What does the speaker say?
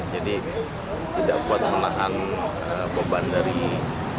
jadi tidak kuat menahan beban dari jembatan